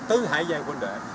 tứ hải giai huynh đệ